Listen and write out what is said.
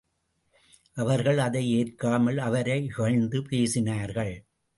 அவர்கள் அதை ஏற்காமல், அவரை இகழ்ந்து பேசினார்கள்.